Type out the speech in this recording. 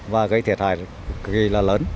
và gây thiệt hại rất là lớn